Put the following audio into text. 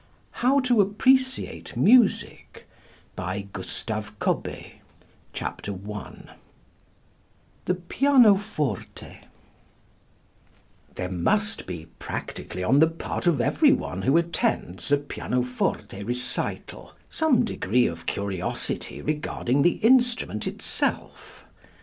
HOW TO APPRECIATE A PIANOFORTE RECITAL I THE PIANOFORTE There must be practically on the part of every one who attends a pianoforte recital some degree of curiosity regarding the instrument itself.